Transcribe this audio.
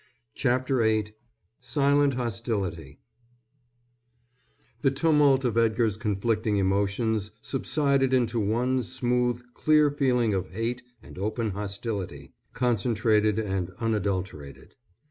CHAPTER VIII SILENT HOSTILITY The tumult of Edgar's conflicting emotions subsided into one smooth, clear feeling of hate and open hostility, concentrated and unadulterated.